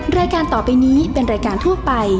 แม่บ้านประจันทร์บ้าน